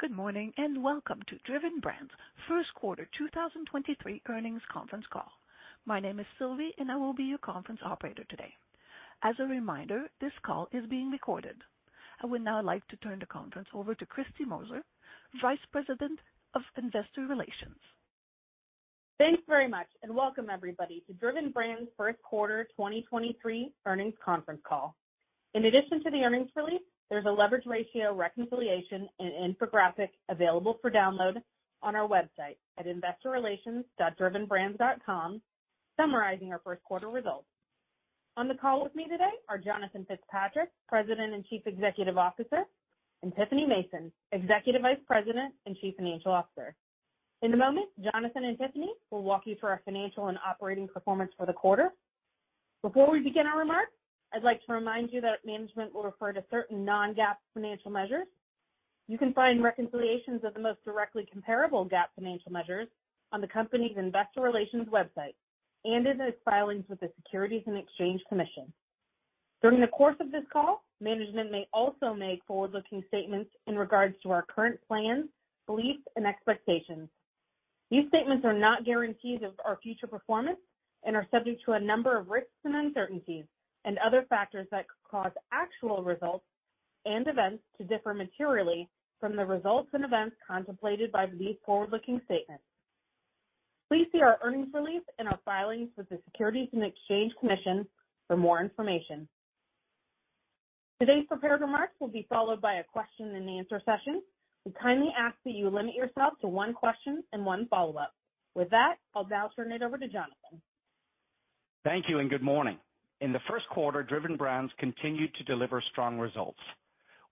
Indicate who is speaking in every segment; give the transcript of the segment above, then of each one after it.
Speaker 1: Good morning, and welcome to Driven Brands' first quarter 2023 earnings conference call. My name is Sylvie, and I will be your conference operator today. As a reminder, this call is being recorded. I would now like to turn the conference over to Kristine Moser, Vice President of Investor Relations.
Speaker 2: Thanks very much. Welcome everybody to Driven Brands' first quarter 2023 earnings conference call. In addition to the earnings release, there's a leverage ratio reconciliation and infographic available for download on our website at investorrelations.drivenbrands.com summarizing our first quarter results. On the call with me today are Jonathan Fitzpatrick, President and Chief Executive Officer, and Tiffany Mason, Executive Vice President and Chief Financial Officer. In a moment, Jonathan and Tiffany will walk you through our financial and operating performance for the quarter. Before we begin our remarks, I'd like to remind you that management will refer to certain non-GAAP financial measures. You can find reconciliations of the most directly comparable GAAP financial measures on the company's investor relations website and in its filings with the Securities and Exchange Commission. During the course of this call, management may also make forward-looking statements in regards to our current plans, beliefs, and expectations. These statements are not guarantees of our future performance and are subject to a number of risks, and uncertainties, and other factors that could cause actual results and events to differ materially from the results and events contemplated by these forward-looking statements. Please see our earnings release and our filings with the Securities and Exchange Commission for more information. Today's prepared remarks will be followed by a question and answer session. We kindly ask that you limit yourself to one question and one follow-up. With that, I'll now turn it over to Jonathan.
Speaker 3: Thank you and good morning. In the first quarter, Driven Brands continued to deliver strong results.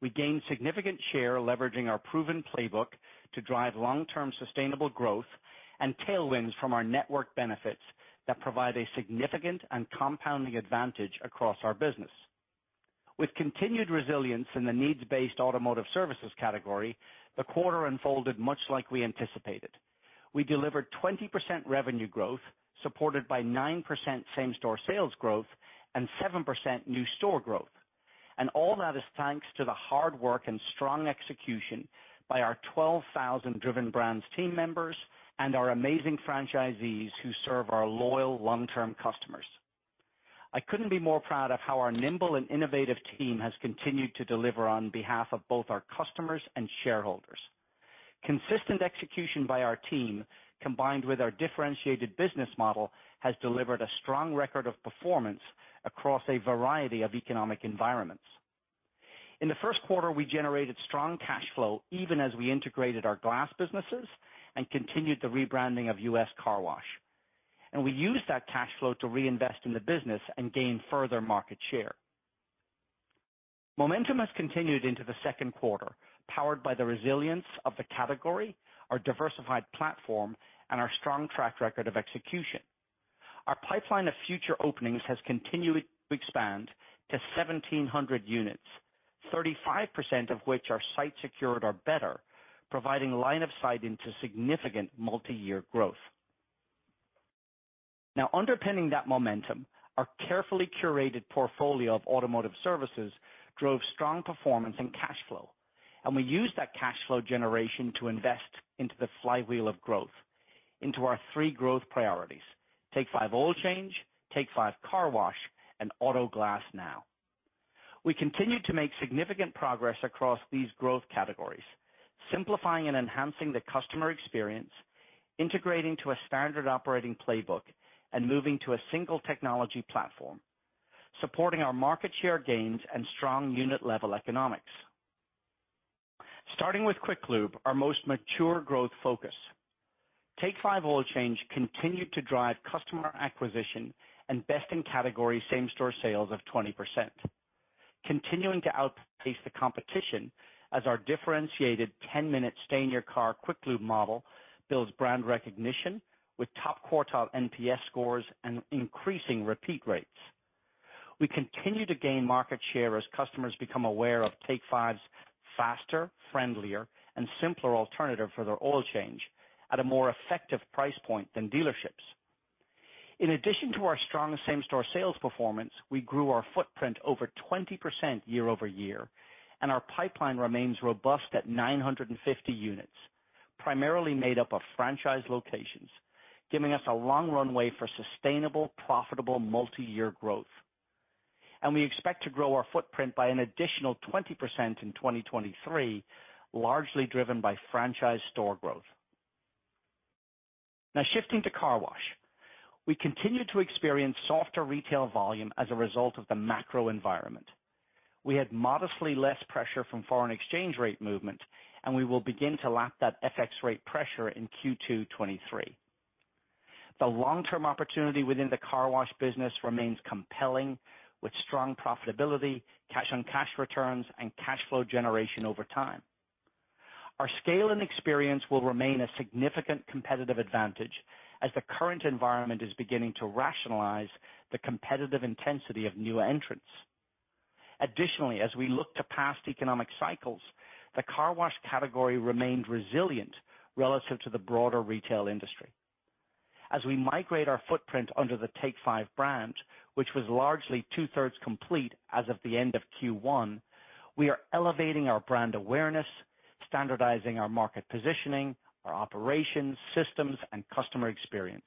Speaker 3: We gained significant share, leveraging our proven playbook to drive long-term sustainable growth and tailwinds from our network benefits that provide a significant and compounding advantage across our business. With continued resilience in the needs-based automotive services category, the quarter unfolded much like we anticipated. We delivered 20% revenue growth, supported by 9% same-store sales growth and 7% new store growth. All that is thanks to the hard work and strong execution by our 12,000 Driven Brands team members and our amazing franchisees who serve our loyal long-term customers. I couldn't be more proud of how our nimble and innovative team has continued to deliver on behalf of both our customers and shareholders. Consistent execution by our team, combined with our differentiated business model, has delivered a strong record of performance across a variety of economic environments. In the first quarter, we generated strong cash flow even as we integrated our glass businesses and continued the rebranding of U.S. Car Wash. We used that cash flow to reinvest in the business and gain further market share. Momentum has continued into the second quarter, powered by the resilience of the category, our diversified platform, and our strong track record of execution. Our pipeline of future openings has continued to expand to 1,700 units, 35% of which are site secured or better, providing line of sight into significant multi-year growth. Now, underpinning that momentum, our carefully curated portfolio of automotive services drove strong performance and cash flow, and we used that cash flow generation to invest into the flywheel of growth into our three growth priorities: Take 5 Oil Change, Take 5 Car Wash, and Auto Glass Now. We continue to make significant progress across these growth categories, simplifying and enhancing the customer experience, integrating to a standard operating playbook and moving to a single technology platform, supporting our market share gains and strong unit-level economics. Starting with Quick Lube, our most mature growth focus. Take 5 Oil Change continued to drive customer acquisition and best in category same-store sales of 20%, continuing to outpace the competition as our differentiated 10 minutes stay-in-your-car quick lube model builds brand recognition with top quartile NPS scores and increasing repeat rates. We continue to gain market share as customers become aware of Take 5's faster, friendlier, and simpler alternative for their oil change at a more effective price point than dealerships. In addition to our strong same-store sales performance, we grew our footprint over 20% year-over-year. Our pipeline remains robust at 950 units, primarily made up of franchise locations, giving us a long runway for sustainable, profitable multi-year growth. We expect to grow our footprint by an additional 20% in 2023, largely driven by franchise store growth. Now shifting to car wash. We continue to experience softer retail volume as a result of the macro environment. We had modestly less pressure from foreign exchange rate movement. We will begin to lap that FX rate pressure in Q2 2023. The long-term opportunity within the car wash business remains compelling with strong profitability, cash on cash returns, and cash flow generation over time. Our scale and experience will remain a significant competitive advantage as the current environment is beginning to rationalize the competitive intensity of new entrants. As we look to past economic cycles, the car wash category remained resilient relative to the broader retail industry. As we migrate our footprint under the Take 5 brand, which was largely two-thirds complete as of the end of Q1, we are elevating our brand awareness, standardizing our market positioning, our operations, systems, and customer experience.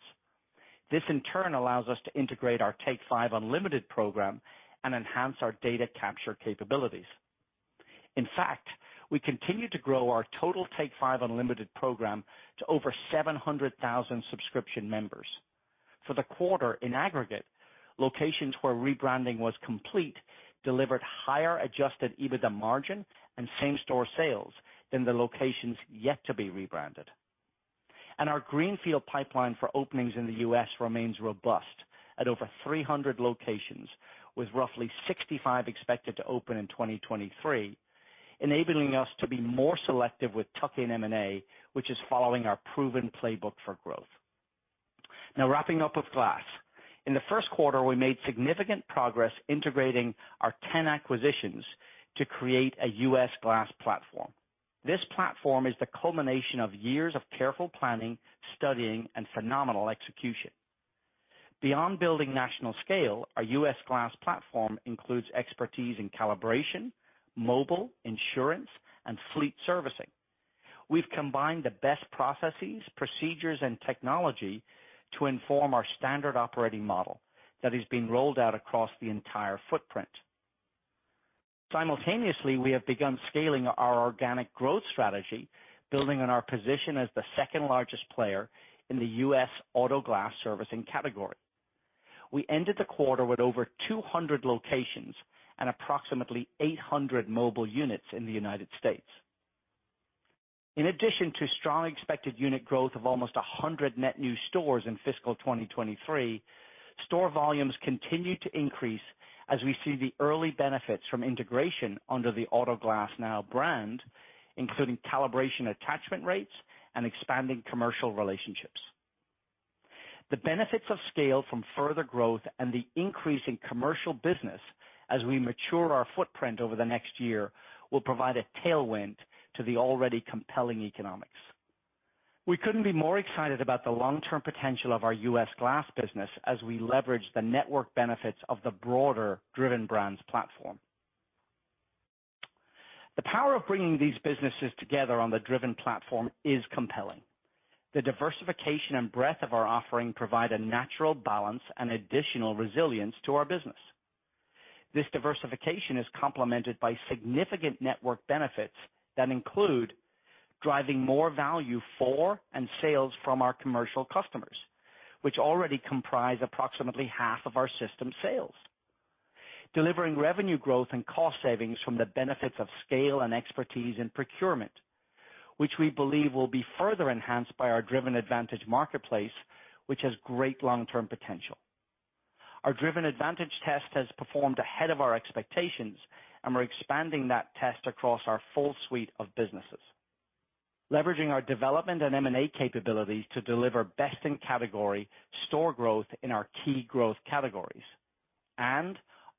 Speaker 3: This, in turn, allows us to integrate our Take 5 Unlimited program and enhance our data capture capabilities. In fact, we continue to grow our total Take 5 Unlimited program to over 700,000 subscription members. For the quarter in aggregate, locations where rebranding was complete delivered higher Adjusted EBITDA margin and same-store sales than the locations yet to be rebranded. Our greenfield pipeline for openings in the U.S. remains robust at over 300 locations, with roughly 65 expected to open in 2023, enabling us to be more selective with tuck-in M&A, which is following our proven playbook for growth. Wrapping up with glass. In the first quarter, we made significant progress integrating our 10 acquisitions to create a U.S. glass platform. This platform is the culmination of years of careful planning, studying, and phenomenal execution. Beyond building national scale, our U.S. glass platform includes expertise in calibration, mobile, insurance, and fleet servicing. We've combined the best processes, procedures, and technology to inform our standard operating model that is being rolled out across the entire footprint. Simultaneously, we have begun scaling our organic growth strategy, building on our position as the second-largest player in the U.S. auto glass servicing category. We ended the quarter with over 200 locations and approximately 800 mobile units in the United States. In addition to strong expected unit growth of almost 100 net new stores in fiscal 2023, store volumes continue to increase as we see the early benefits from integration under the Auto Glass Now brand, including calibration attachment rates and expanding commercial relationships. The benefits of scale from further growth and the increase in commercial business as we mature our footprint over the next year will provide a tailwind to the already compelling economics. We couldn't be more excited about the long-term potential of our U.S. glass business as we leverage the network benefits of the broader Driven Brands platform. The power of bringing these businesses together on the Driven platform is compelling. The diversification and breadth of our offering provide a natural balance and additional resilience to our business. This diversification is complemented by significant network benefits that include driving more value for and sales from our commercial customers, which already comprise approximately half of our system sales. Delivering revenue growth and cost savings from the benefits of scale and expertise in procurement, which we believe will be further enhanced by our Driven Advantage marketplace, which has great long-term potential. Our Driven Advantage test has performed ahead of our expectations, and we're expanding that test across our full suite of businesses. Leveraging our development and M&A capabilities to deliver best-in-category store growth in our key growth categories.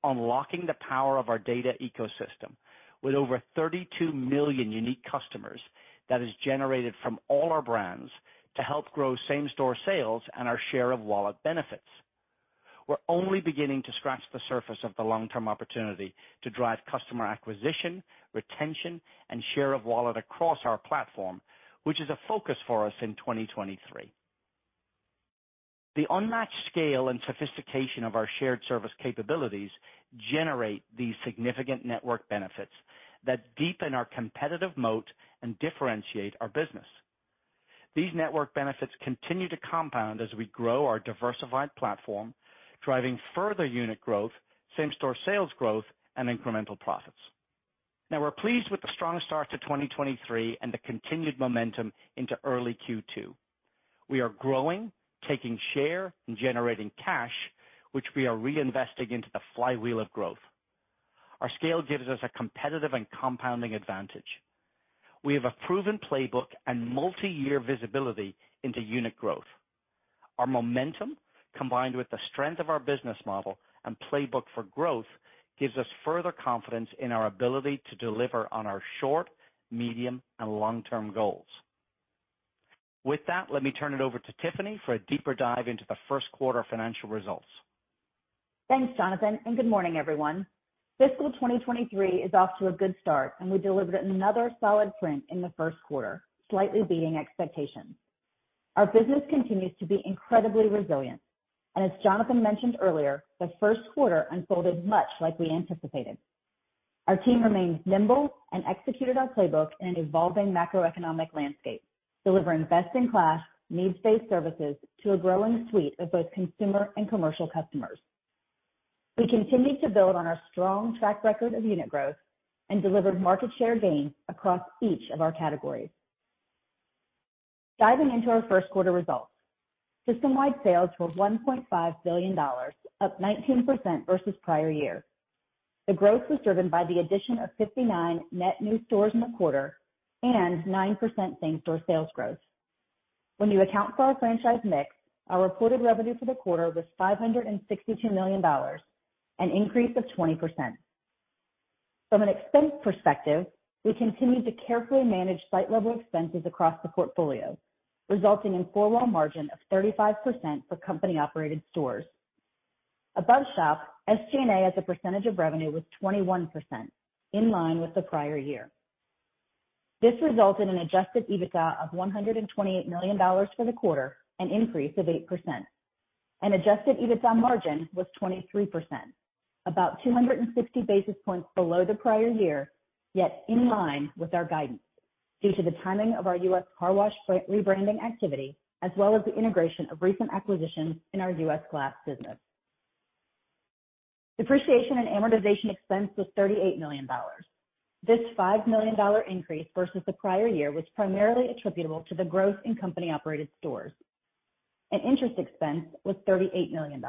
Speaker 3: Unlocking the power of our data ecosystem with over 32 million unique customers that is generated from all our brands to help grow same-store sales and our share of wallet benefits. We're only beginning to scratch the surface of the long-term opportunity to drive customer acquisition, retention, and share of wallet across our platform, which is a focus for us in 2023. The unmatched scale and sophistication of our shared service capabilities generate these significant network benefits that deepen our competitive moat and differentiate our business. These network benefits continue to compound as we grow our diversified platform, driving further unit growth, same-store sales growth, and incremental profits. We're pleased with the strong start to 2023 and the continued momentum into early Q2. We are growing, taking share, and generating cash, which we are reinvesting into the flywheel of growth. Our scale gives us a competitive and compounding advantage. We have a proven playbook and multi-year visibility into unit growth. Our momentum, combined with the strength of our business model and playbook for growth, gives us further confidence in our ability to deliver on our short, medium, and long-term goals. With that, let me turn it over to Tiffany for a deeper dive into the first quarter financial results.
Speaker 4: Thanks, Jonathan. Good morning, everyone. Fiscal 2023 is off to a good start, and we delivered another solid print in the first quarter, slightly beating expectations. Our business continues to be incredibly resilient. As Jonathan mentioned earlier, the first quarter unfolded much like we anticipated. Our team remained nimble and executed our playbook in an evolving macroeconomic landscape, delivering best-in-class needs-based services to a growing suite of both consumer and commercial customers. We continued to build on our strong track record of unit growth and delivered market share gains across each of our categories. Diving into our first quarter results. System-wide sales were $1.5 billion, up 19% versus prior-year. The growth was driven by the addition of 59 net new stores in the quarter and 9% same-store sales growth. When you account for our franchise mix, our reported revenue for the quarter was $562 million, an increase of 20%. From an expense perspective, we continued to carefully manage site level expenses across the portfolio, resulting in four-wall margin of 35% for company operated stores. Above shop, SG&A as a percentage of revenue was 21%, in line with the prior year. This resulted in Adjusted EBITDA of $128 million for the quarter, an increase of 8%, and Adjusted EBITDA margin was 23%, about 260 basis points below the prior year, yet in line with our guidance due to the timing of our U.S. car wash re-rebranding activity as well as the integration of recent acquisitions in our U.S. glass business. Depreciation and amortization expense was $38 million. This $5 million increase versus the prior year was primarily attributable to the growth in company-operated stores. Interest expense was $38 million.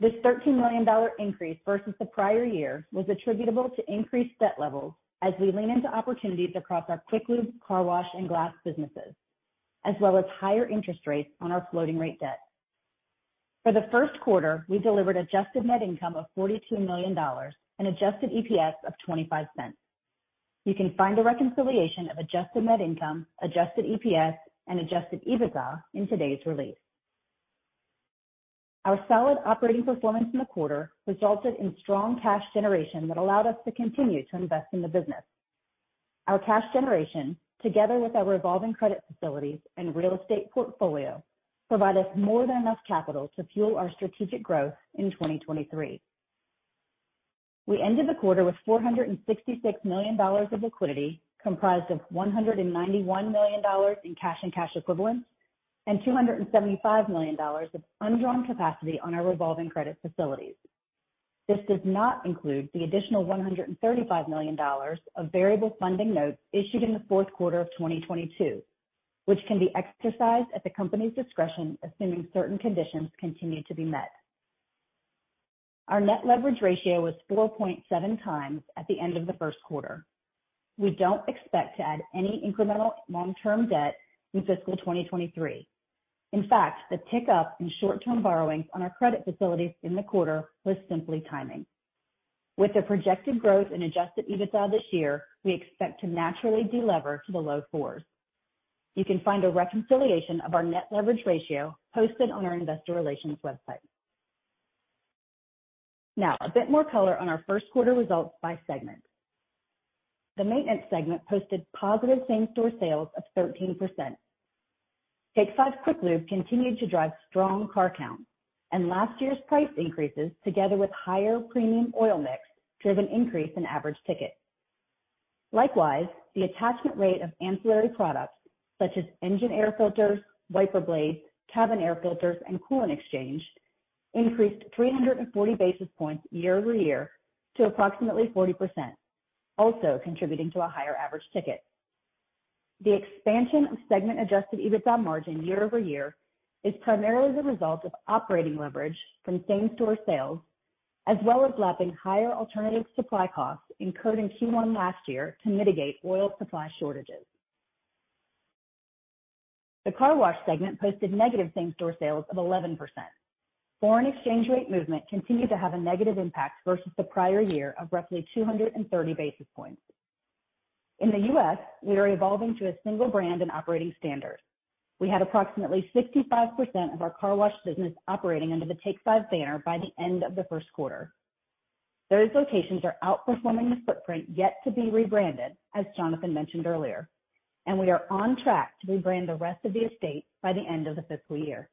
Speaker 4: This $13 million increase versus the prior year was attributable to increased debt levels as we lean into opportunities across our quick lube, car wash, and glass businesses, as well as higher interest rates on our floating rate debt. For the first quarter, we delivered Adjusted Net Income of $42 million and Adjusted EPS of $0.25. You can find a reconciliation of Adjusted Net Income, Adjusted EPS, and Adjusted EBITDA in today's release. Our solid operating performance in the quarter resulted in strong cash generation that allowed us to continue to invest in the business. Our cash generation, together with our revolving credit facilities and real estate portfolio, provide us more than enough capital to fuel our strategic growth in 2023. We ended the quarter with $466 million of liquidity, comprised of $191 million in cash and cash equivalents and $275 million of undrawn capacity on our revolving credit facilities. This does not include the additional $135 million of Variable Funding Notes issued in the fourth quarter of 2022, which can be exercised at the company's discretion assuming certain conditions continue to be met. Our net leverage ratio was 4.7x at the end of the first quarter. We don't expect to add any incremental long-term debt in fiscal 2023. In fact, the tick-up in short-term borrowings on our credit facilities in the quarter was simply timing. With the projected growth in Adjusted EBITDA this year, we expect to naturally de-lever to the low 4s. A bit more color on our first quarter results by segment. The maintenance segment posted positive same-store sales of 13%. Take 5 quick lube continued to drive strong car count, and last year's price increases, together with higher premium oil mix, drove an increase in average ticket. Likewise, the attachment rate of ancillary products such as engine air filters, wiper blades, cabin air filters, and coolant exchange increased 340 basis points year-over-year to approximately 40%, also contributing to a higher average ticket. The expansion of segment Adjusted EBITDA margin year-over-year is primarily the result of operating leverage from same-store sales as well as lapping higher alternative supply costs incurred in Q1 last year to mitigate oil supply shortages. The car wash segment posted negative same-store sales of 11%. Foreign exchange rate movement continued to have a negative impact versus the prior year of roughly 230 basis points. In the U.S., we are evolving to a single brand and operating standard. We had approximately 65% of our car wash business operating under the Take 5 banner by the end of the first quarter. Those locations are outperforming the footprint yet to be rebranded, as Jonathan mentioned earlier. We are on track to rebrand the rest of the estate by the end of the fiscal year.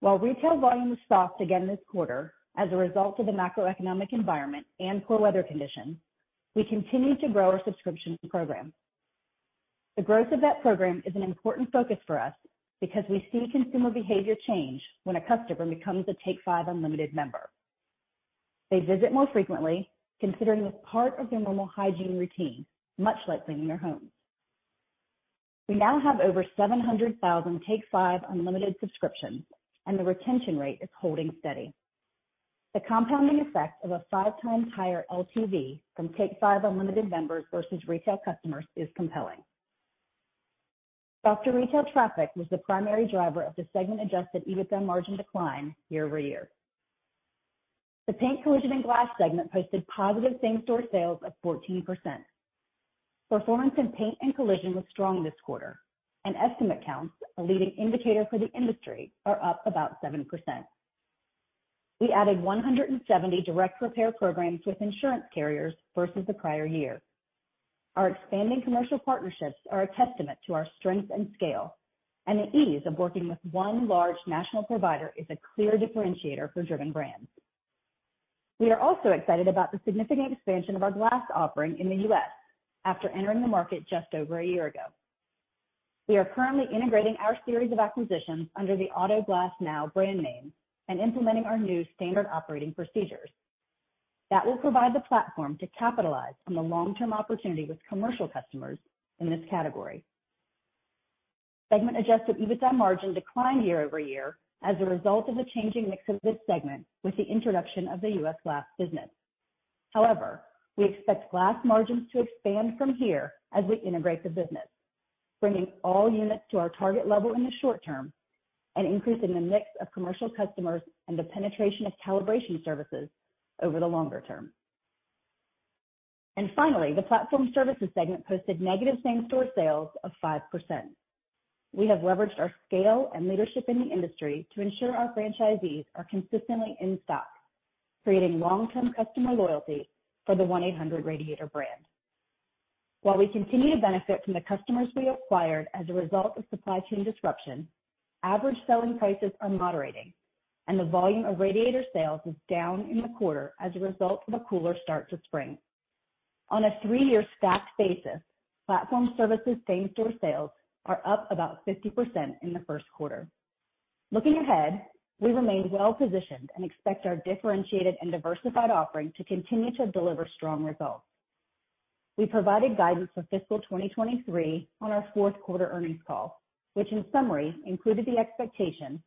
Speaker 4: While retail volume was soft again this quarter as a result of the macroeconomic environment and poor weather conditions, we continued to grow our subscription program. The growth of that program is an important focus for us because we see consumer behavior change when a customer becomes a Take 5 Unlimited member. They visit more frequently, considering it part of their normal hygiene routine, much like cleaning their homes. We now have over 700,000 Take 5 Unlimited subscriptions, and the retention rate is holding steady. The compounding effect of a 5x higher LTV from Take 5 Unlimited members versus retail customers is compelling. Slower retail traffic was the primary driver of the segment Adjusted EBITDA margin decline year-over-year. The paint, collision, and glass segment posted positive same-store sales of 14%. Performance in paint and collision was strong this quarter, and estimate counts, a leading indicator for the industry, are up about 7%. We added 170 direct repair programs with insurance carriers versus the prior year. Our expanding commercial partnerships are a testament to our strength and scale, and the ease of working with one large national provider is a clear differentiator for Driven Brands. We are also excited about the significant expansion of our glass offering in the U.S. after entering the market just over a year ago. We are currently integrating our series of acquisitions under the Auto Glass Now brand name and implementing our new standard operating procedures. That will provide the platform to capitalize on the long-term opportunity with commercial customers in this category. Segment Adjusted EBITDA margin declined year-over-year as a result of the changing mix of this segment with the introduction of the U.S. glass business. We expect glass margins to expand from here as we integrate the business, bringing all units to our target level in the short term and increase in the mix of commercial customers and the penetration of calibration services over the longer term. Finally, the platform services segment posted negative same-store sales of 5%. We have leveraged our scale and leadership in the industry to ensure our franchisees are consistently in stock, creating long-term customer loyalty for the 1-800 Radiator brand. While we continue to benefit from the customers we acquired as a result of supply chain disruption, average selling prices are moderating and the volume of radiator sales is down in the quarter as a result of a cooler start to spring. On a three-year stacked basis, platform services same-store sales are up about 50% in the first quarter. Looking ahead, we remain well-positioned and expect our differentiated and diversified offering to continue to deliver strong results. We provided guidance for fiscal 2023 on our fourth quarter earnings call, which in summary included the expectation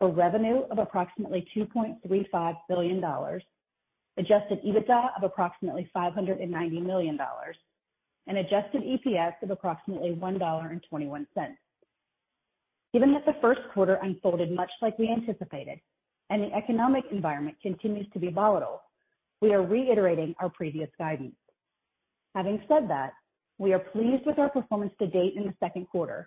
Speaker 4: for revenue of approximately $2.35 billion, Adjusted EBITDA of approximately $590 million, and Adjusted EPS of approximately $1.21. Given that the first quarter unfolded much like we anticipated and the economic environment continues to be volatile, we are reiterating our previous guidance. Having said that, we are pleased with our performance to date in the second quarter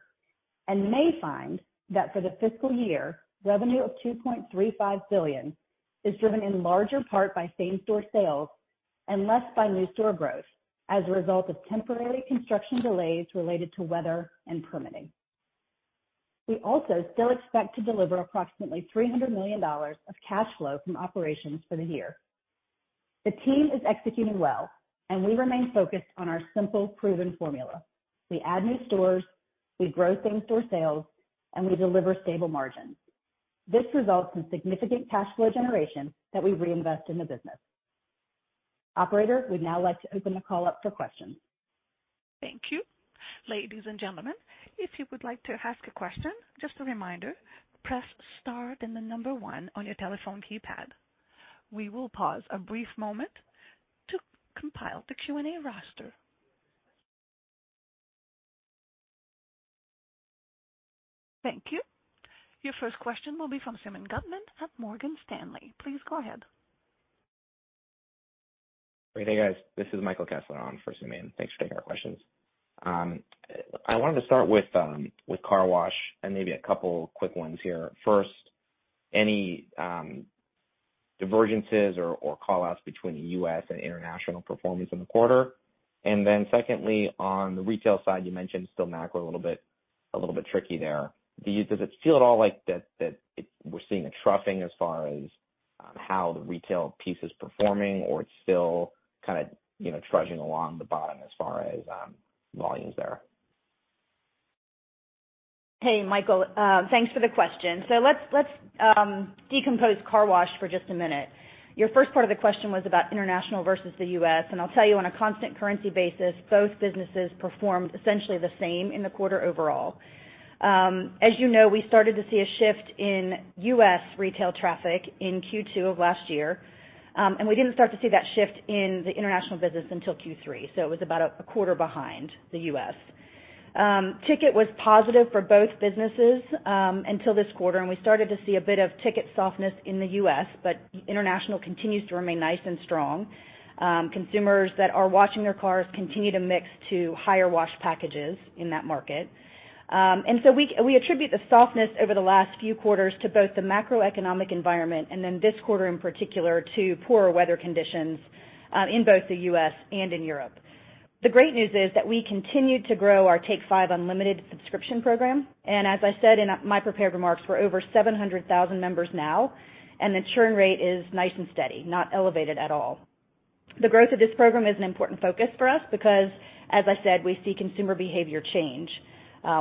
Speaker 4: and may find that for the fiscal year, revenue of $2.35 billion is driven in larger part by same-store sales and less by new store growth as a result of temporary construction delays related to weather and permitting. We also still expect to deliver approximately $300 million of cash flow from operations for the year. The team is executing well and we remain focused on our simple, proven formula. We add new stores, we grow same-store sales, and we deliver stable margins. This results in significant cash flow generation that we reinvest in the business. Operator, we'd now like to open the call up for questions.
Speaker 1: Thank you. Ladies and gentlemen, if you would like to ask a question, just a reminder, press star then the number one on your telephone keypad. We will pause a brief moment to compile the Q&A roster. Thank you. Your first question will be from Simeon Gutman at Morgan Stanley. Please go ahead.
Speaker 5: Great. Hey, guys. This is Michael Kessler on for Simeon. Thanks for taking our questions. I wanted to start with car wash and maybe a couple quick ones here. First, any divergences or call outs between the U.S. and international performance in the quarter? Secondly, on the retail side, you mentioned still macro a little bit tricky there. Does it feel at all like that we're seeing a troughing as far as how the retail piece is performing or it's still kinda, you know, trudging along the bottom as far as volumes there?
Speaker 4: Hey, Michael, thanks for the question. Let's decompose car wash for just a minute. Your first part of the question was about international versus the U.S. On a constant currency basis, both businesses performed essentially the same in the quarter overall. As you know, we started to see a shift in U.S. retail traffic in Q2 of last year. We didn't start to see that shift in the international business until Q3. It was about a quarter behind the U.S. Ticket was positive for both businesses until this quarter. We started to see a bit of ticket softness in the U.S., but international continues to remain nice and strong. Consumers that are washing their cars continue to mix to higher wash packages in that market. We attribute the softness over the last few quarters to both the macroeconomic environment and then this quarter in particular to poorer weather conditions in both the U.S. and in Europe. The great news is that we continued to grow our Take 5 Unlimited subscription program, and as I said in my prepared remarks, we're over 700,000 members now, and the churn rate is nice and steady, not elevated at all. The growth of this program is an important focus for us because, as I said, we see consumer behavior change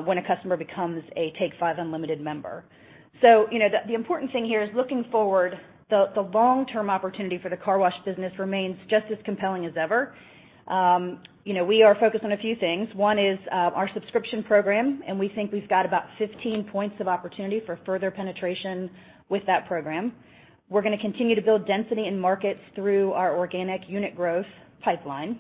Speaker 4: when a customer becomes a Take 5 Unlimited member. You know, the important thing here is looking forward, the long-term opportunity for the car wash business remains just as compelling as ever. You know, we are focused on a few things. One is, our subscription program, we think we've got about 15 points of opportunity for further penetration with that program. We're gonna continue to build density in markets through our organic unit growth pipeline.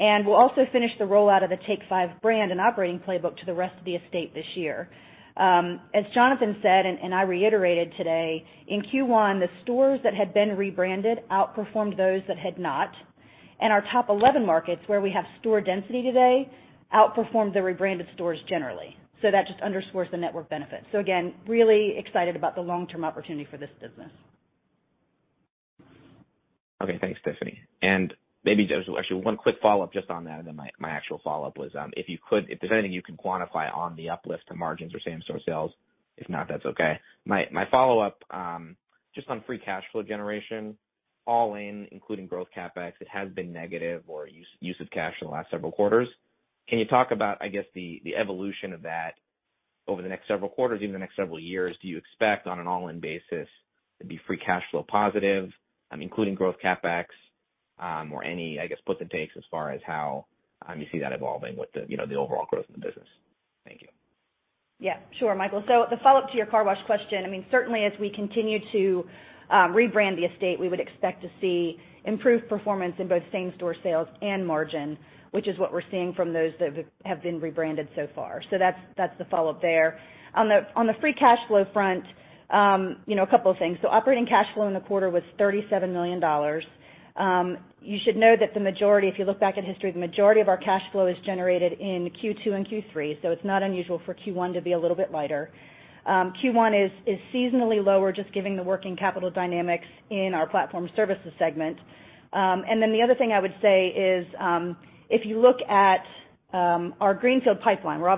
Speaker 4: We'll also finish the rollout of the Take 5 brand and operating playbook to the rest of the estate this year. As Jonathan said, and I reiterated today, in Q1, the stores that had been rebranded outperformed those that had not. Our top 11 markets, where we have store density today, outperformed the rebranded stores generally. That just underscores the network benefit. Again, really excited about the long-term opportunity for this business.
Speaker 5: Okay. Thanks, Tiffany. Maybe just actually one quick follow-up just on that, and then my actual follow-up was, if you could, if there's anything you can quantify on the uplift to margins or same-store sales. If not, that's okay. My, my follow-up, just on free cash flow generation all in, including growth CapEx, it has been negative or use of cash in the last several quarters. Can you talk about, I guess, the evolution of that over the next several quarters, even the next several years? Do you expect on an all-in basis to be free cash flow positive, including growth CapEx, or any, I guess, puts and takes as far as how you see that evolving with the, you know, the overall growth in the business? Thanks.
Speaker 4: Sure, Michael. The follow-up to your car wash question, I mean, certainly as we continue to rebrand the estate, we would expect to see improved performance in both same-store sales and margin, which is what we're seeing from those that have been rebranded so far. That's the follow-up there. On the free cash flow front, you know, a couple of things. Operating cash flow in the quarter was $37 million. You should know that the majority, if you look back at history, the majority of our cash flow is generated in Q2 and Q3, so it's not unusual for Q1 to be a little bit lighter. Q1 is seasonally lower just giving the working capital dynamics in our platform services segment. The other thing I would say is, if you look at our greenfield pipeline, we're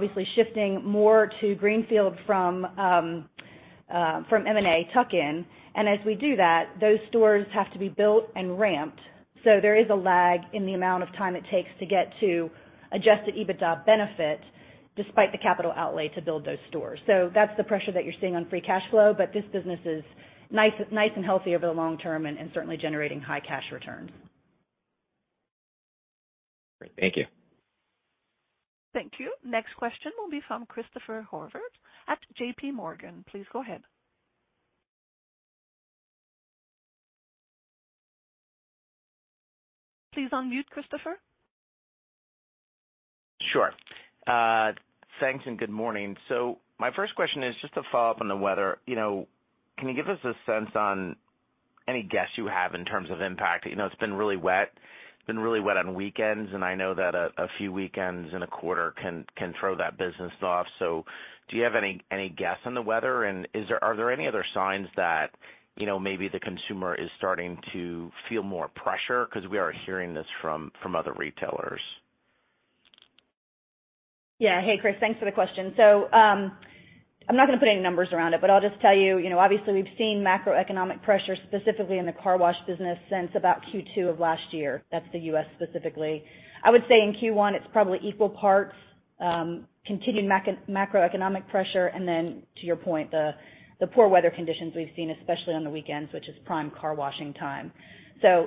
Speaker 4: obviously shifting more to greenfield from M&A tuck-in. As we do that, those stores have to be built and ramped. There is a lag in the amount of time it takes to get to Adjusted EBITDA benefit despite the capital outlay to build those stores. That's the pressure that you're seeing on free cash flow. This business is nice and healthy over the long term and certainly generating high cash returns.
Speaker 5: Great. Thank you.
Speaker 1: Thank you. Next question will be from Christopher Horvers at JPMorgan. Please go ahead. Please unmute, Christopher.
Speaker 6: Sure. thanks and good morning. My first question is just a follow-up on the weather. You know, can you give us a sense on any guess you have in terms of impact? You know, it's been really wet. It's been really wet on weekends, and I know that a few weekends in a quarter can throw that business off. Do you have any guess on the weather? Are there any other signs that, you know, maybe the consumer is starting to feel more pressure? 'Cause we are hearing this from other retailers.
Speaker 4: Yeah. Hey, Chris, thanks for the question. I'm not gonna put any numbers around it, but I'll just tell you know, obviously we've seen macroeconomic pressure specifically in the car wash business since about Q2 of last year. That's the U.S. specifically. I would say in Q1, it's probably equal parts continued macroeconomic pressure, and then to your point, the poor weather conditions we've seen especially on the weekends, which is prime car washing time.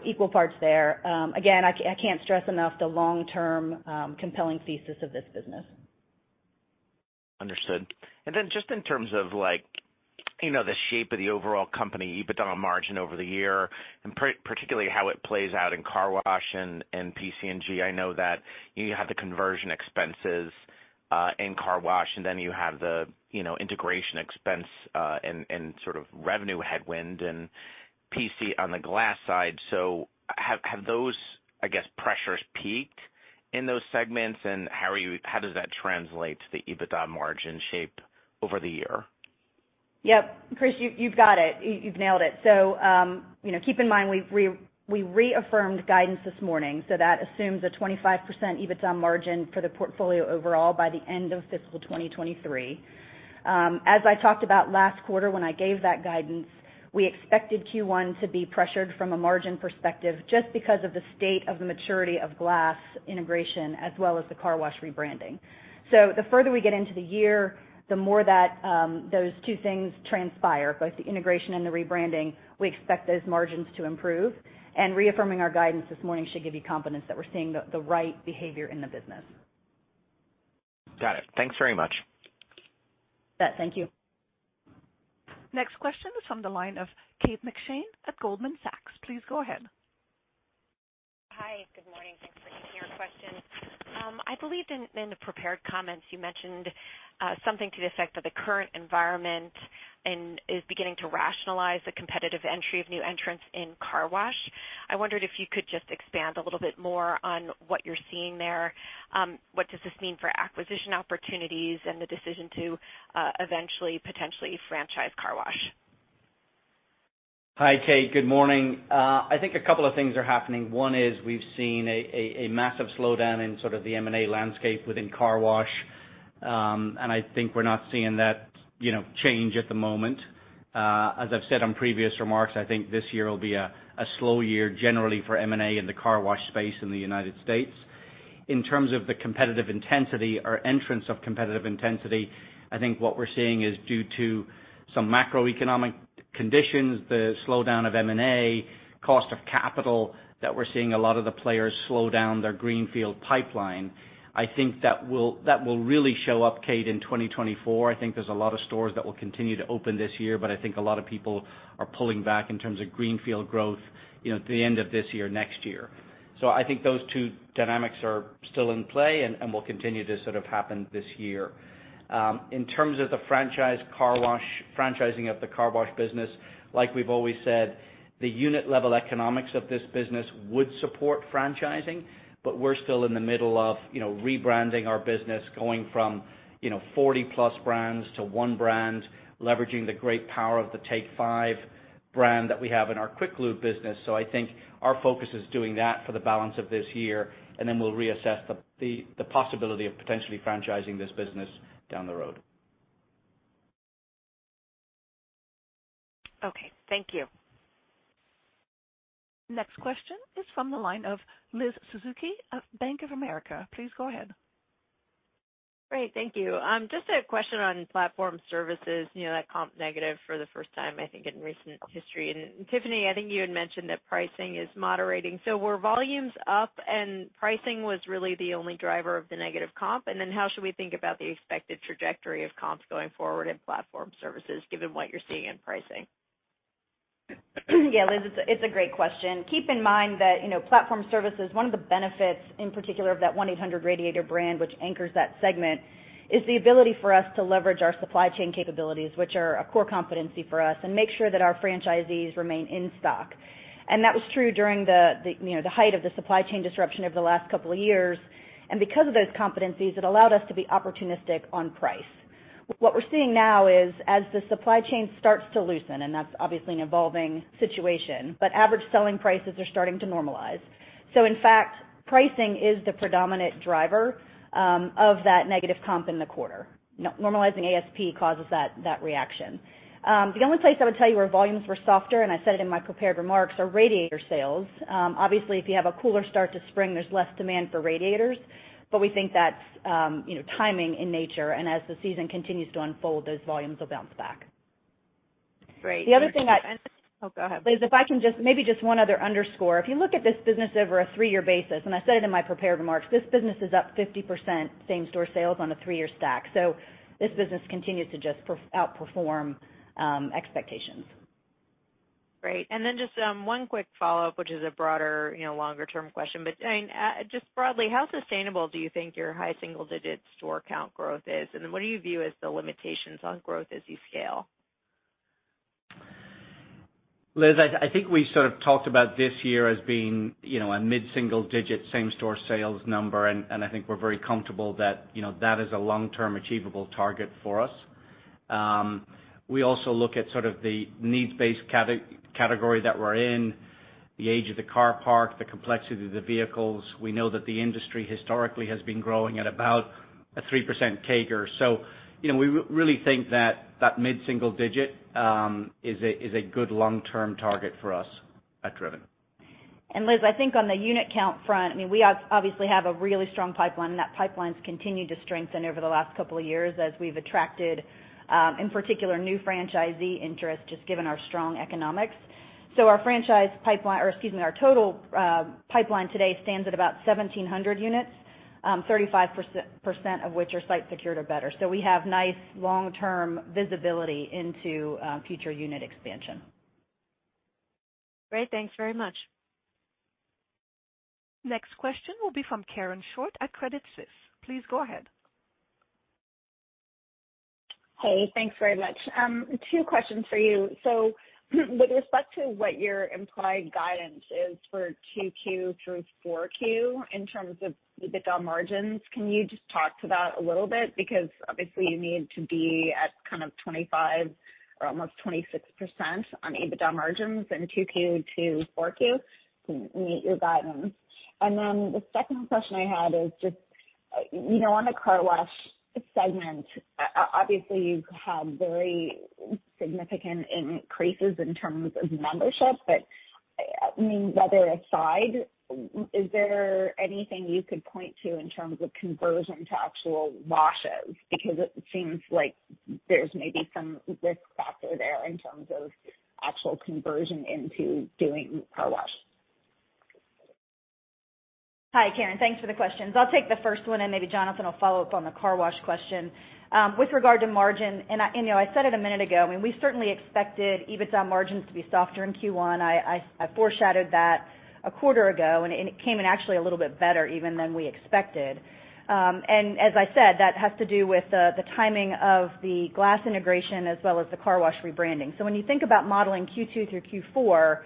Speaker 4: Equal parts there. Again, I can't stress enough the long-term compelling thesis of this business.
Speaker 6: Understood. Just in terms of like, you know, the shape of the overall company EBITDA margin over the year, particularly how it plays out in car wash and PC and G. I know that you have the conversion expenses in car wash, and then you have the, you know, integration expense in sort of revenue headwind and PC on the glass side. Have those, I guess, pressures peaked in those segments and how does that translate to the EBITDA margin shape over the year?
Speaker 4: Yep. Chris, you've got it. You've nailed it. You know, keep in mind we reaffirmed guidance this morning, so that assumes a 25% EBITDA margin for the portfolio overall by the end of fiscal 2023. As I talked about last quarter when I gave that guidance, we expected Q1 to be pressured from a margin perspective just because of the state of the maturity of glass integration as well as the car wash rebranding. The further we get into the year, the more that those two things transpire, both the integration and the rebranding, we expect those margins to improve. Reaffirming our guidance this morning should give you confidence that we're seeing the right behavior in the business.
Speaker 6: Got it. Thanks very much.
Speaker 4: Bet. Thank you.
Speaker 1: Next question is from the line of Kate McShane at Goldman Sachs. Please go ahead.
Speaker 7: Hi. Good morning. Thanks for taking our question. I believe in the prepared comments you mentioned, something to the effect that the current environment and is beginning to rationalize the competitive entry of new entrants in car wash. I wondered if you could just expand a little bit more on what you're seeing there. What does this mean for acquisition opportunities and the decision to, eventually, potentially franchise car wash?
Speaker 3: Hi, Kate. Good morning. I think a couple of things are happening. One is we've seen a massive slowdown in sort of the M&A landscape within car wash. I think we're not seeing that, you know, change at the moment. As I've said on previous remarks, I think this year will be a slow year generally for M&A in the car wash space in the United States. In terms of the competitive intensity or entrance of competitive intensity, I think what we're seeing is due to some macroeconomic conditions, the slowdown of M&A, cost of capital, that we're seeing a lot of the players slow down their greenfield pipeline. I think that will really show up, Kate, in 2024. I think there's a lot of stores that will continue to open this year, but I think a lot of people are pulling back in terms of greenfield growth, you know, at the end of this year, next year. I think those two dynamics are still in play and will continue to sort of happen this year. In terms of the franchise car wash, franchising of the car wash business, like we've always said, the unit level economics of this business would support franchising, but we're still in the middle of, you know, rebranding our business going from, you know, 40+ brands to one brand, leveraging the great power of the Take 5 brand that we have in our Quick Lube business. I think our focus is doing that for the balance of this year, and then we'll reassess the possibility of potentially franchising this business down the road.
Speaker 7: Okay, thank you.
Speaker 1: Next question is from the line of Liz Suzuki of Bank of America. Please go ahead.
Speaker 8: Great. Thank you. Just a question on platform services. You know, that comped negative for the first time, I think in recent history. Tiffany, I think you had mentioned that pricing is moderating. Were volumes up and pricing was really the only driver of the negative comp? How should we think about the expected trajectory of comps going forward in platform services, given what you're seeing in pricing?
Speaker 4: Yeah, Liz, it's a great question. Keep in mind that, you know, platform services, one of the benefits in particular of that 1-800 Radiator brand, which anchors that segment, is the ability for us to leverage our supply chain capabilities, which are a core competency for us, and make sure that our franchisees remain in stock. And that was true during the, you know, the height of the supply chain disruption over the last couple of years. Because of those competencies, it allowed us to be opportunistic on price. What we're seeing now is as the supply chain starts to loosen, and that's obviously an evolving situation, but average selling prices are starting to normalize. In fact, pricing is the predominant driver of that negative comp in the quarter. Normalizing ASP causes that reaction. The only place I would tell you where volumes were softer, I said it in my prepared remarks, are Radiator sales. Obviously, if you have a cooler start to spring, there's less demand for radiators, but we think that's, you know, timing in nature. As the season continues to unfold, those volumes will bounce back.
Speaker 8: Great.
Speaker 4: The other thing.
Speaker 8: Oh, go ahead.
Speaker 4: Liz, if I can maybe just one other underscore. If you look at this business over a three-year basis, I said it in my prepared remarks, this business is up 50% same-store sales on a three-year stack. This business continues to outperform expectations.
Speaker 8: Great. Just, one quick follow-up, which is a broader, you know, longer term question. I mean, just broadly, how sustainable do you think your high single-digit store count growth is? What do you view as the limitations on growth as you scale?
Speaker 3: Liz, I think we sort of talked about this year as being, you know, a mid-single digit same-store sales number, and I think we're very comfortable that, you know, that is a long-term achievable target for us. We also look at sort of the needs-based category that we're in, the age of the car park, the complexity of the vehicles. We know that the industry historically has been growing at about a 3% CAGR. You know, we really think that that mid-single digit is a good long-term target for us at Driven.
Speaker 4: Liz, I think on the unit count front, I mean, we obviously have a really strong pipeline, that pipeline's continued to strengthen over the last couple of years as we've attracted, in particular new franchisee interest just given our strong economics. Our franchise pipeline, or excuse me, our total pipeline today stands at about 1,700 units, 35% of which are site secured or better. We have nice long-term visibility into future unit expansion.
Speaker 8: Great. Thanks very much.
Speaker 1: Next question will be from Karen Short at Credit Suisse. Please go ahead.
Speaker 9: Hey, thanks very much. Two questions for you. With respect to what your implied guidance is for 2Q through 4Q in terms of EBITDA margins, can you just talk to that a little bit? Because obviously you need to be at kind of 25% or almost 26% on EBITDA margins in 2Q to 4Q to meet your guidance. The second question I had is just, you know, on the car wash segment, obviously you've had very significant increases in terms of membership, but, I mean, weather aside, is there anything you could point to in terms of conversion to actual washes? Because it seems like there's maybe some risk factor there in terms of actual conversion into doing car wash.
Speaker 4: Hi, Karen. Thanks for the questions. I'll take the first one, and maybe Jonathan will follow up on the car wash question. With regard to margin, and I, you know, I said it a minute ago, I mean, we certainly expected EBITDA margins to be softer in Q1. I foreshadowed that a quarter ago, and it came in actually a little bit better even than we expected. As I said, that has to do with the timing of the glass integration as well as the car wash rebranding. When you think about modeling Q2 through Q4, you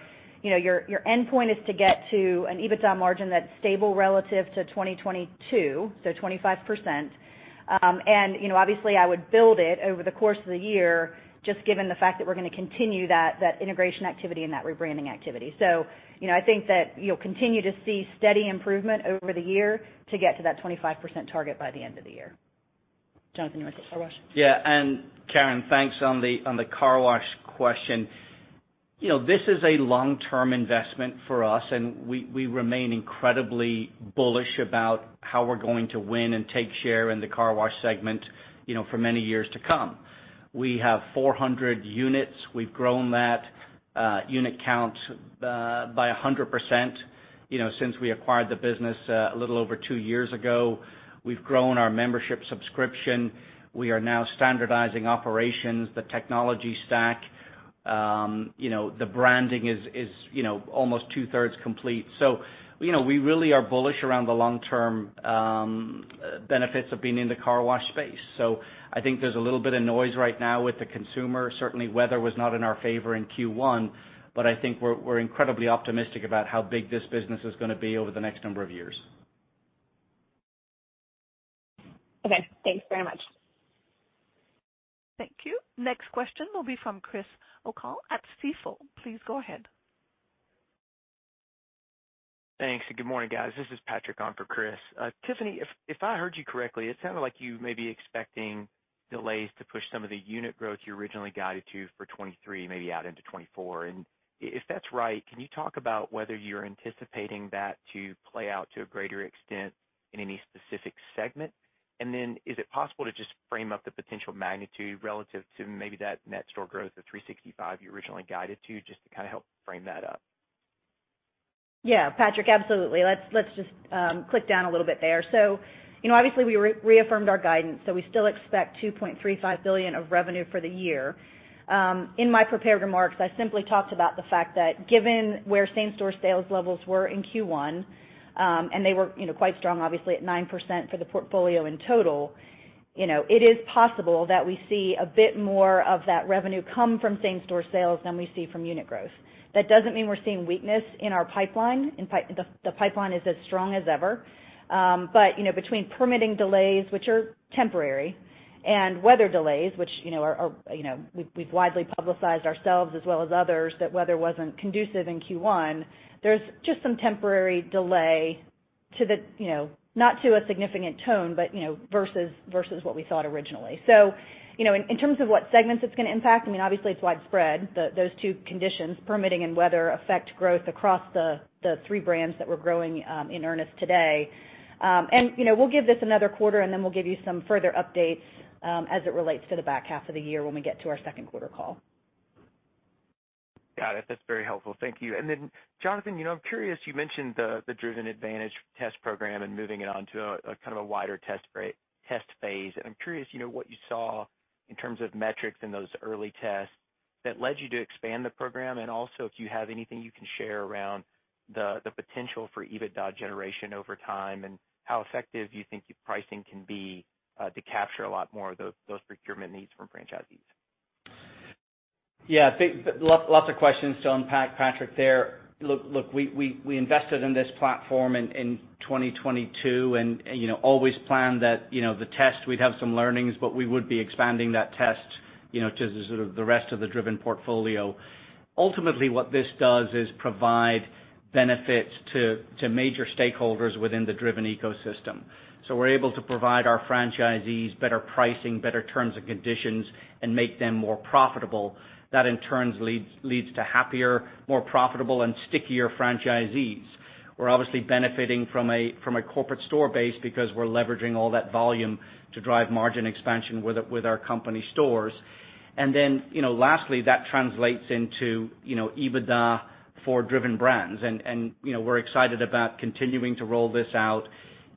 Speaker 4: know, your endpoint is to get to an EBITDA margin that's stable relative to 2022, so 25%. You know, obviously I would build it over the course of the year just given the fact that we're gonna continue that integration activity and that rebranding activity. You know, I think that you'll continue to see steady improvement over the year to get to that 25% target by the end of the year. Jonathan, you want the car wash?
Speaker 3: Yeah. Karen, thanks on the car wash question. You know, this is a long-term investment for us, and we remain incredibly bullish about how we're going to win and take share in the car wash segment, you know, for many years to come. We have 400 units. We've grown that unit count by 100%, you know, since we acquired the business a little over two years ago. We've grown our membership subscription. We are now standardizing operations, the technology stack. You know, the branding is, you know, almost two-thirds complete. You know, we really are bullish around the long-term benefits of being in the car wash space. I think there's a little bit of noise right now with the consumer. Certainly weather was not in our favor in Q1, but I think we're incredibly optimistic about how big this business is gonna be over the next number of years.
Speaker 9: Okay, thanks very much.
Speaker 1: Thank you. Next question will be from Chris O'Cull at Stifel. Please go ahead.
Speaker 10: Thanks, good morning, guys. This is Patrick on for Chris. Tiffany, if I heard you correctly, it sounded like you may be expecting delays to push some of the unit growth you originally guided to for 2023 maybe out into 2024. If that's right, can you talk about whether you're anticipating that to play out to a greater extent in any specific segment? Is it possible to just frame up the potential magnitude relative to maybe that net store growth of 365 you originally guided to, just to kind of help frame that up?
Speaker 4: Yeah, Patrick, absolutely. Let's just click down a little bit there. You know, obviously we reaffirmed our guidance, so we still expect $2.35 billion of revenue for the year. In my prepared remarks, I simply talked about the fact that given where same-store sales levels were in Q1, and they were, you know, quite strong, obviously at 9% for the portfolio in total, you know, it is possible that we see a bit more of that revenue come from same-store sales than we see from unit growth. That doesn't mean we're seeing weakness in our pipeline. The pipeline is as strong as ever. You know, between permitting delays, which are temporary, and weather delays, which, you know, are, you know, we've widely publicized ourselves as well as others that weather wasn't conducive in Q1. There's just some temporary delay to the, you know, not to a significant tone, but, you know, versus what we thought originally. You know, in terms of what segments it's gonna impact, I mean, obviously it's widespread. Those two conditions, permitting and weather affect growth across the three brands that we're growing in earnest today. You know, we'll give this another quarter, and then we'll give you some further updates as it relates to the back half of the year when we get to our second quarter call.
Speaker 10: Got it. That's very helpful. Thank you. Then, Jonathan, you know, I'm curious, you mentioned the Driven Advantage test program and moving it on to a kind of a wider test phase. I'm curious, you know, what you saw in terms of metrics in those early tests that led you to expand the program and also if you have anything you can share around the potential for EBITDA generation over time and how effective you think your pricing can be to capture a lot more of those procurement needs from franchisees.
Speaker 3: Yeah. Lots of questions to unpack, Patrick, there. Look, we invested in this platform in 2022 and, you know, always planned that, you know, the test we'd have some learnings, but we would be expanding that test, you know, to the sort of the rest of the Driven portfolio. Ultimately, what this does is provide benefits to major stakeholders within the Driven ecosystem. We're able to provide our franchisees better pricing, better terms and conditions, and make them more profitable. That in turn leads to happier, more profitable and stickier franchisees. We're obviously benefiting from a corporate store base because we're leveraging all that volume to drive margin expansion with our company stores. Then, you know, lastly, that translates into, you know, EBITDA for Driven Brands. You know, we're excited about continuing to roll this out,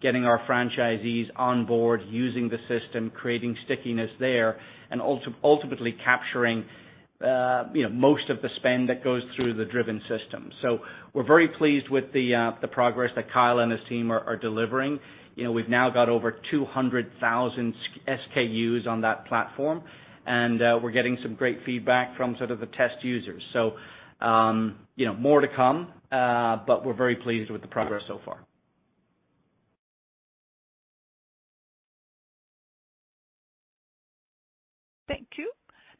Speaker 3: getting our franchisees on board, using the system, creating stickiness there, and ultimately capturing, you know, most of the spend that goes through the Driven system. We're very pleased with the progress that Kyle and his team are delivering. You know, we've now got over 200,000 SKUs on that platform, and we're getting some great feedback from sort of the test users. You know, more to come, but we're very pleased with the progress so far.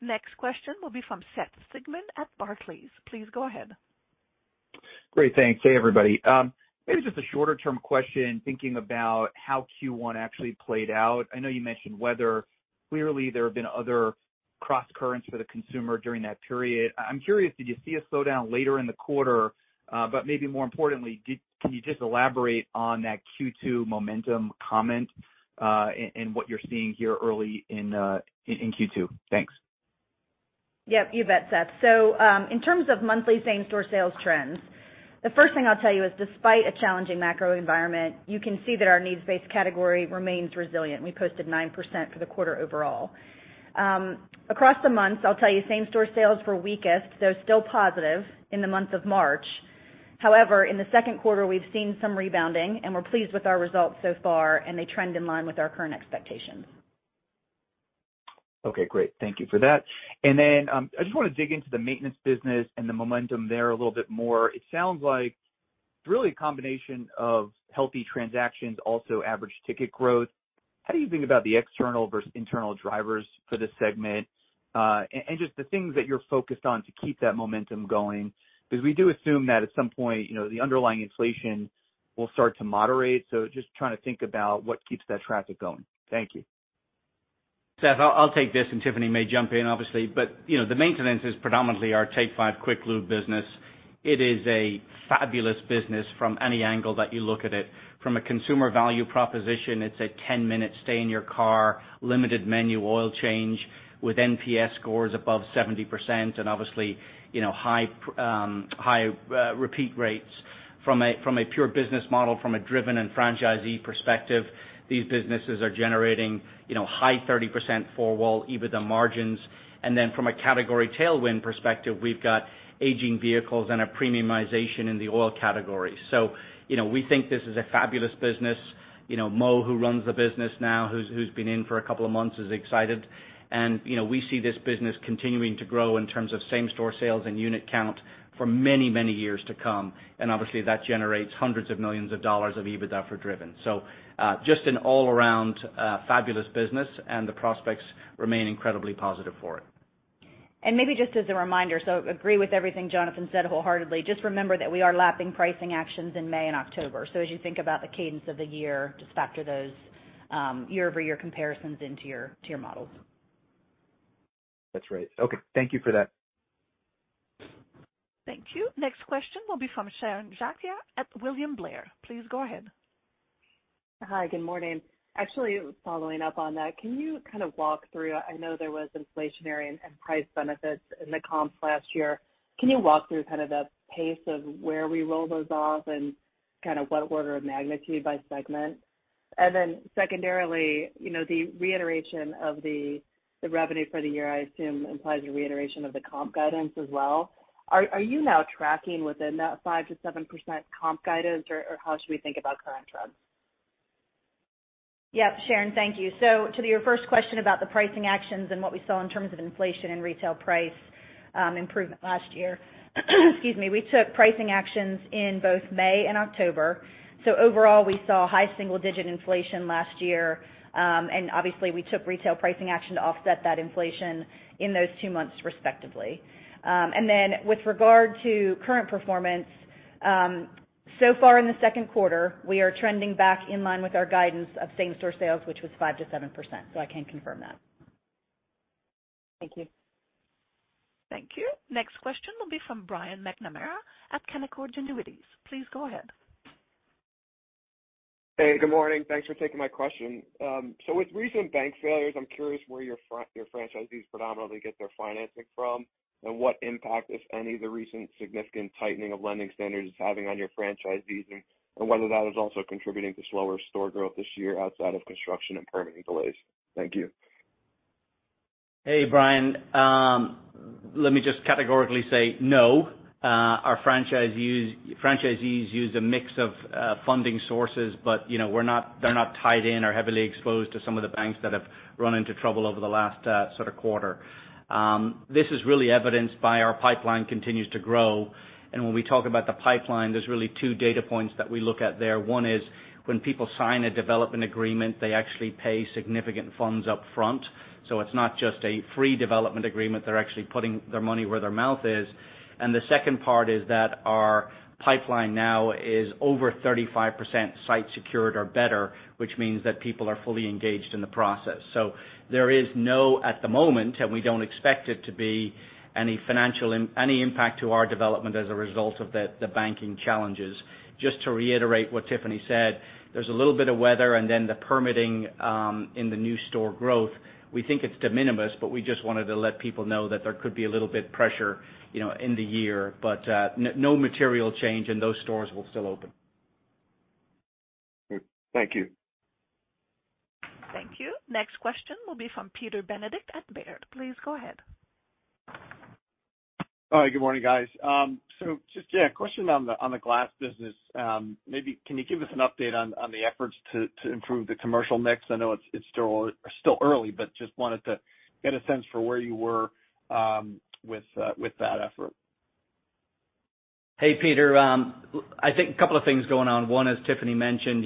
Speaker 1: Thank you. Next question will be from Seth Sigman at Barclays. Please go ahead.
Speaker 11: Great. Thanks. Hey, everybody. Maybe just a shorter-term question, thinking about how Q1 actually played out. I know you mentioned weather. Clearly, there have been other crosscurrents for the consumer during that period. I'm curious, did you see a slowdown later in the quarter? Maybe more importantly, can you just elaborate on that Q2 momentum comment, and what you're seeing here early in Q2? Thanks.
Speaker 4: Yep, you bet, Seth. In terms of monthly same-store sales trends, the first thing I'll tell you is despite a challenging macro environment, you can see that our needs-based category remains resilient. We posted 9% for the quarter overall. Across the months, I'll tell you same-store sales were weakest, though still positive in the month of March. In the second quarter, we've seen some rebounding, and we're pleased with our results so far, and they trend in line with our current expectations.
Speaker 11: Okay, great. Thank you for that. I just wanna dig into the maintenance business and the momentum there a little bit more. It sounds like really a combination of healthy transactions, also average ticket growth. How do you think about the external versus internal drivers for this segment? and just the things that you're focused on to keep that momentum going. We do assume that at some point, you know, the underlying inflation will start to moderate. Just trying to think about what keeps that traffic going. Thank you.
Speaker 3: Seth, I'll take this. Tiffany may jump in, obviously. You know, the maintenance is predominantly our Take 5 quick lube business. It is a fabulous business from any angle that you look at it. From a consumer value proposition, it's a 10-minute stay in your car, limited menu oil change with NPS scores above 70% and obviously, you know, high repeat rates. From a pure business model, from a Driven and franchisee perspective, these businesses are generating, you know, high 30% four-wall EBITDA margins. From a category tailwind perspective, we've got aging vehicles and a premiumization in the oil category. You know, we think this is a fabulous business. You know, Mo, who runs the business now, who's been in for a couple of months, is excited. You know, we see this business continuing to grow in terms of same-store sales and unit count for many, many years to come. Obviously that generates hundreds of millions of dollars of EBITDA for Driven. Just an all-around, fabulous business and the prospects remain incredibly positive for it.
Speaker 4: Maybe just as a reminder, so agree with everything Jonathan said wholeheartedly. Just remember that we are lapping pricing actions in May and October. As you think about the cadence of the year, just factor those year-over-year comparisons into your, to your models.
Speaker 11: That's right. Okay. Thank you for that.
Speaker 1: Thank you. Next question will be from Sharon Zackfia at William Blair. Please go ahead.
Speaker 12: Hi, good morning. Actually following up on that, I know there was inflationary and price benefits in the comps last year. Can you walk through kind of the pace of where we roll those off and kind of what order of magnitude by segment? Secondarily, you know, the reiteration of the revenue for the year, I assume, implies a reiteration of the comp guidance as well. Are you now tracking within that 5%-7% comp guidance or how should we think about current trends?
Speaker 3: Yep, Sharon, thank you. To your first question about the pricing actions and what we saw in terms of inflation and retail price improvement last year. Excuse me. We took pricing actions in both May and October. Overall, we saw high single-digit inflation last year. Obviously we took retail pricing action to offset that inflation in those two months respectively. With regard to current performance, so far in the second quarter, we are trending back in line with our guidance of same-store sales, which was 5%-7%. I can confirm that.
Speaker 12: Thank you.
Speaker 1: Thank you. Next question will be from Brian McNamara at Canaccord Genuity. Please go ahead.
Speaker 13: Hey, good morning. Thanks for taking my question. With recent bank failures, I'm curious where your franchisees predominantly get their financing from and what impact, if any, the recent significant tightening of lending standards is having on your franchisees and whether that is also contributing to slower store growth this year outside of construction and permitting delays. Thank you.
Speaker 3: Hey, Brian. Let me just categorically say no. Our franchisees use a mix of funding sources, but, you know, they're not tied in or heavily exposed to some of the banks that have run into trouble over the last sort of quarter. This is really evidenced by our pipeline continues to grow. When we talk about the pipeline, there's really two data points that we look at there. One is when people sign a development agreement, they actually pay significant funds up front. It's not just a free development agreement. They're actually putting their money where their mouth is. The second part is that our pipeline now is over 35% site secured or better, which means that people are fully engaged in the process. There is no, at the moment, and we don't expect it to be any financial impact to our development as a result of the banking challenges. Just to reiterate what Tiffany said, there's a little bit of weather and then the permitting in the new store growth. We think it's de minimis, but we just wanted to let people know that there could be a little bit pressure, you know, in the year, but no material change, and those stores will still open.
Speaker 13: Great. Thank you.
Speaker 1: Thank you. Next question will be from Peter Benedict at Baird. Please go ahead.
Speaker 14: Hi, good morning, guys. Just, yeah, a question on the glass business. Maybe can you give us an update on the efforts to improve the commercial mix? I know it's still early, but just wanted to get a sense for where you were with that effort.
Speaker 3: Hey, Peter. I think a couple of things going on. One, as Tiffany mentioned,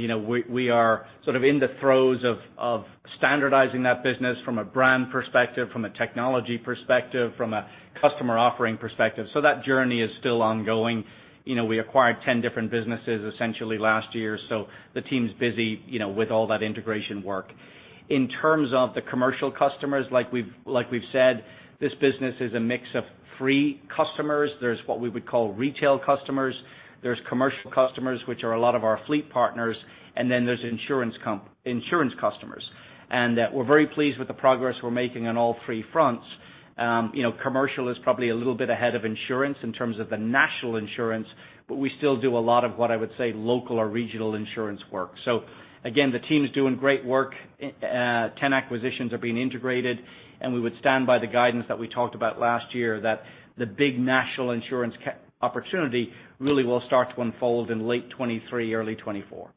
Speaker 3: we are sort of in the throes of standardizing that business from a brand perspective, from a technology perspective, from a customer offering perspective. That journey is still ongoing. We acquired 10 different businesses essentially last year, the team's busy with all that integration work. In terms of the commercial customers, like we've said, this business is a mix of free customers. There's what we would call retail customers. There's commercial customers, which are a lot of our fleet partners, and then there's insurance customers. We're very pleased with the progress we're making on all three fronts. You know, commercial is probably a little bit ahead of insurance in terms of the national insurance, but we still do a lot of what I would say local or regional insurance work. Again, the team's doing great work. 10 acquisitions are being integrated, and we would stand by the guidance that we talked about last year, that the big national insurance opportunity really will start to unfold in late 2023, early 2024.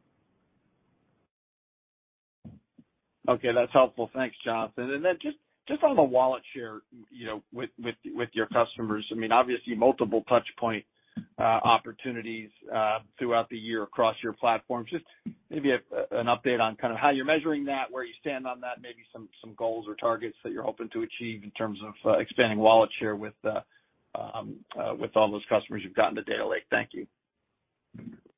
Speaker 14: Okay, that's helpful. Thanks, Jonathan. Just on the wallet share, you know, with your customers, I mean, obviously multiple touch point opportunities throughout the year across your platforms. Just maybe an update on kind of how you're measuring that, where you stand on that, maybe some goals or targets that you're hoping to achieve in terms of expanding wallet share with all those customers you've gotten to date. Thank you.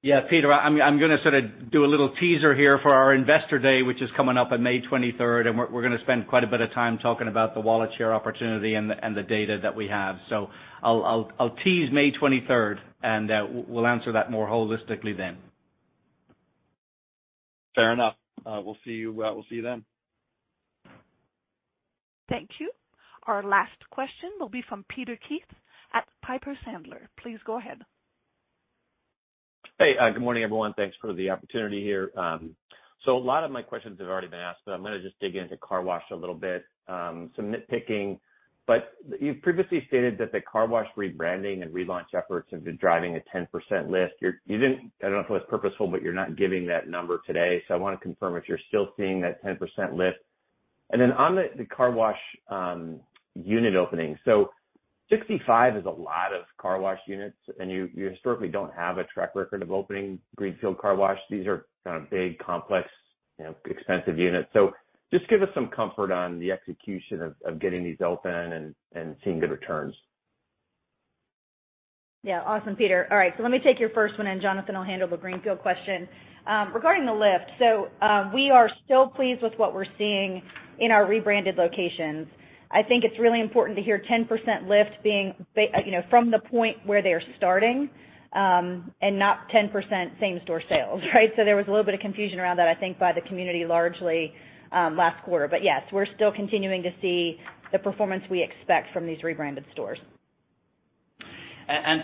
Speaker 3: Yeah, Peter, I'm gonna sort of do a little teaser here for our Investor Day, which is coming up on May twenty-third, and we're gonna spend quite a bit of time talking about the wallet share opportunity and the, and the data that we have. I'll tease May twenty-third, and we'll answer that more holistically then.
Speaker 14: Fair enough. We'll see you, we'll see you then.
Speaker 1: Thank you. Our last question will be from Peter Keith at Piper Sandler. Please go ahead.
Speaker 15: Hey, good morning, everyone. Thanks for the opportunity here. A lot of my questions have already been asked, but I'm gonna just dig into car wash a little bit, some nitpicking. You've previously stated that the car wash rebranding and relaunch efforts have been driving a 10% lift. You didn't, I don't know if it was purposeful, but you're not giving that number today. I wanna confirm if you're still seeing that 10% lift. On the car wash unit opening, 65 is a lot of car wash units, and you historically don't have a track record of opening greenfield car wash. These are kind of big, complex, you know, expensive units. Just give us some comfort on the execution of getting these open and seeing good returns.
Speaker 4: Yeah. Awesome, Peter. All right, let me take your first one, and Jonathan will handle the greenfield question. Regarding the lift. We are still pleased with what we're seeing in our rebranded locations. I think it's really important to hear 10% lift being you know, from the point where they are starting, and not 10% same-store sales, right? There was a little bit of confusion around that, I think by the community largely, last quarter. Yes, we're still continuing to see the performance we expect from these rebranded stores.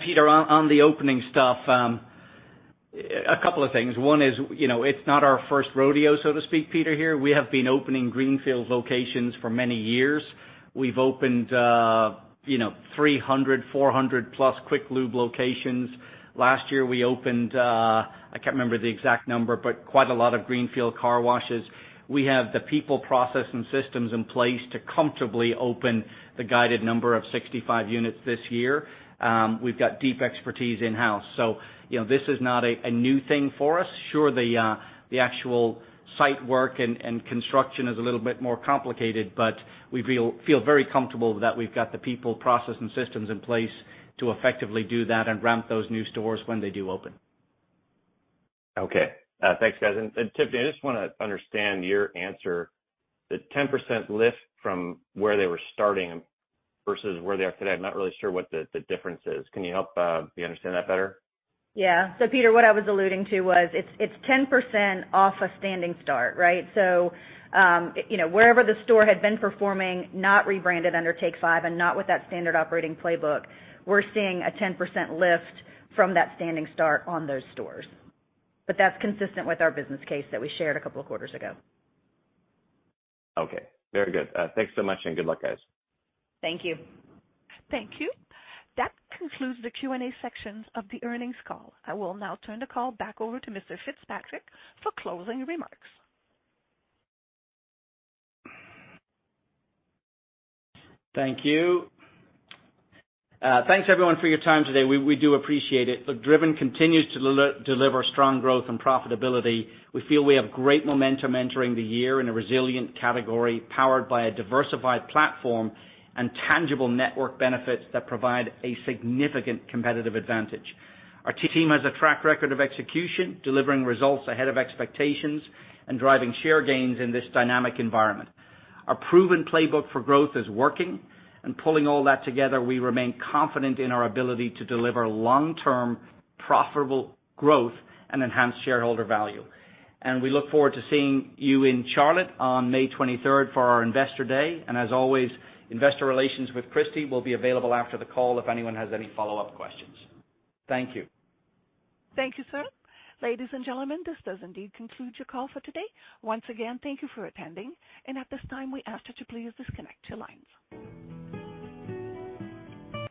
Speaker 3: Peter, on the opening stuff, a couple of things. One is, you know, it's not our first rodeo, so to speak, Peter, here. We have been opening greenfield locations for many years. We've opened, you know, 300, 400-plus Quick Lube locations. Last year, we opened, I can't remember the exact number, but quite a lot of greenfield car washes. We have the people, process, and systems in place to comfortably open the guided number of 65 units this year. We've got deep expertise in-house. You know, this is not a new thing for us. Sure, the actual site work and construction is a little bit more complicated, but we feel very comfortable that we've got the people, process, and systems in place to effectively do that and ramp those new stores when they do open.
Speaker 15: Okay. Thanks, guys. Tiffany, I just wanna understand your answer. The 10% lift from where they were starting versus where they are today, I'm not really sure what the difference is. Can you help me understand that better?
Speaker 4: Peter, what I was alluding to was it's 10% off a standing start, right? You know, wherever the store had been performing, not rebranded under Take 5 and not with that standard operating playbook, we're seeing a 10% lift from that standing start on those stores. That's consistent with our business case that we shared a couple of quarters ago.
Speaker 15: Okay. Very good. Thanks so much, and good luck, guys.
Speaker 4: Thank you.
Speaker 1: Thank you. That concludes the Q&A section of the earnings call. I will now turn the call back over to Mr. Fitzpatrick for closing remarks.
Speaker 3: Thank you. Thanks everyone for your time today. We do appreciate it. Look, Driven continues to deliver strong growth and profitability. We feel we have great momentum entering the year in a resilient category, powered by a diversified platform and tangible network benefits that provide a significant competitive advantage. Our team has a track record of execution, delivering results ahead of expectations and driving share gains in this dynamic environment. Our proven playbook for growth is working. Pulling all that together, we remain confident in our ability to deliver long-term profitable growth and enhance shareholder value. We look forward to seeing you in Charlotte on May 23rd for our Investor Day. As always, investor relations with Christy will be available after the call if anyone has any follow-up questions. Thank you.
Speaker 1: Thank you, sir. Ladies and gentlemen, this does indeed conclude your call for today. Once again, thank you for attending. At this time, we ask that you please disconnect your lines.